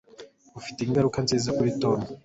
Ufite ingaruka nziza kuri Tom